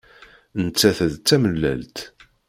Nettat d tamellalt.